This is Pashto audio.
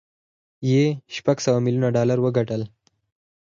یې شپږ سوه ميليونه ډالر وګټل